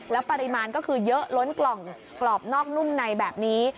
แล้วปริมาณก็คือเยอะล้นกล่องกรอบนอกนุ่มในแบบนี้